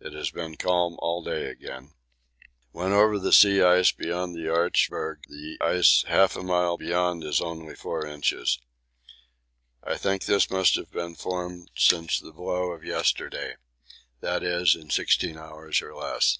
It has been calm all day again. Went over the sea ice beyond the Arch berg; the ice half a mile beyond is only 4 inches. I think this must have been formed since the blow of yesterday, that is, in sixteen hours or less.